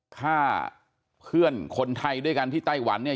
ฆ่าเพื่อนคนไทยด้วยกันที่ไต้หวันเนี่ย